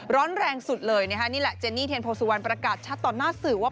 ร้อนแรงสุดเลยนะคะนี่แหละเจนนี่เทียนโพสุวรรณประกาศชัดต่อหน้าสื่อว่า